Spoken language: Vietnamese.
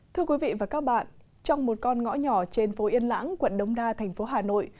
thưa quý vị và các bạn trong một con ngõ nhỏ trên phố yên lãng quận đông đa thành phố hà nội